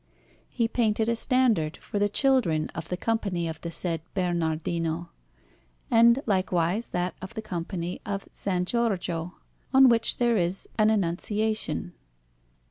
He painted a standard for the children of the Company of the said Bernardino, and likewise that of the Company of S. Giorgio, on which there is an Annunciation.